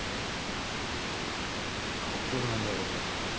どこなんだろう。